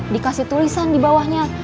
dikasih tulisan di bawahnya